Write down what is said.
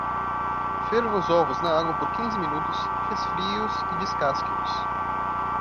Ferva os ovos na água por quinze minutos, resfrie-os e descasque-os.